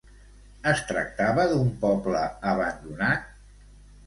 Es tractava d'un poble abandonat?